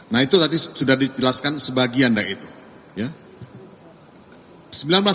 nah itu tadi sudah dijelaskan sebagian dari itu